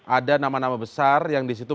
ada nama nama besar yang disitu